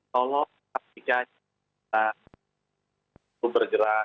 tolong pastikan kita bergerak